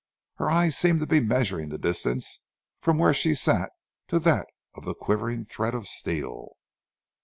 Her eyes seemed to be measuring the distance from where she sat to that quivering thread of steel.